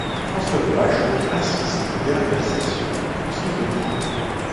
François de Bachod assiste aux dernières sessions du concile de Trente.